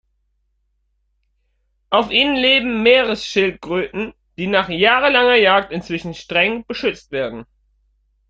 Auf ihnen leben Meeresschildkröten, die nach jahrelanger Jagd inzwischen streng beschützt werden.